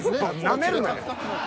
なめるなよ。